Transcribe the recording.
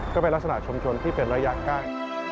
ก็เป็นลักษณะชุมชนที่เป็นระยะใกล้